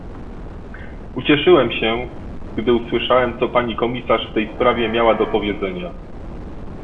Ucieszyłem się, gdy usłyszałem, co pani komisarz w tej sprawie miała do powiedzenia